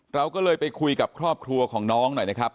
เราก็เลยไปคุยกับครอบครัวของน้องหน่อยนะครับ